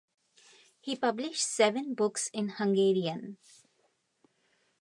He published seven books in Hungarian.